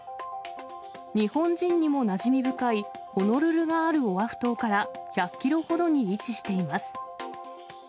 日本人にもなじみ深いホノルルがあるオアフ島から１００キロほどに位置しています。